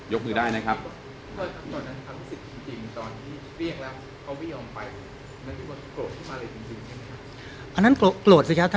ยกมือได้นะครับตอนนั้นครับสิทธิ์จริงจริงตอนที่เรียกแล้วเขาไม่ยอมไป